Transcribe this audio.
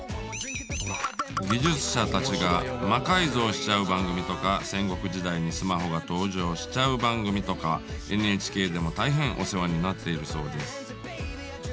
技術者たちが魔改造しちゃう番組とか戦国時代にスマホが登場しちゃう番組とかＮＨＫでも大変お世話になっているそうです。